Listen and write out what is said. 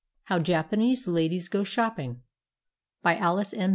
HOW JAPANESE LADIES GO SHOPPING BY ALICE M.